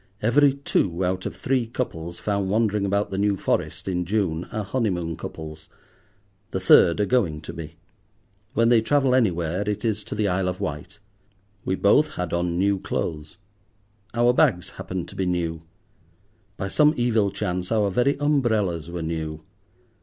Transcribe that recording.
Every two out of three couples found wandering about the New Forest in June are honeymoon couples; the third are going to be. When they travel anywhere it is to the Isle of Wight. We both had on new clothes. Our bags happened to be new. By some evil chance our very umbrellas were new.